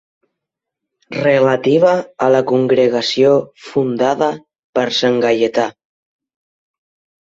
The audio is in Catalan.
Relativa a la congregació fundada per sant Gaietà.